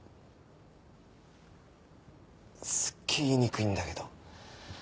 すっげえ言いにくいんだけど。